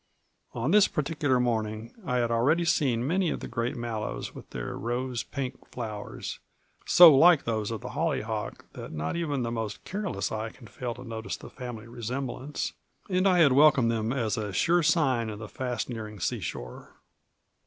On this particular morning I had already seen many of the great mallows with their rose pink flowers, so like those of the hollyhock that not even the most careless eye can fail to notice the family resemblance; and I had welcomed them as a sure sign of the fast nearing seashore.